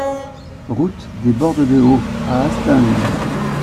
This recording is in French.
Route des Bordes de Haut à Hastingues